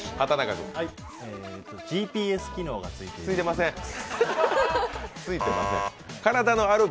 ＧＰＳ機能がついている。